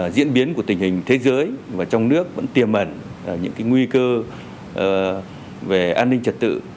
diễn biến của tình hình thế giới và trong nước vẫn tiềm ẩn những nguy cơ về an ninh trật tự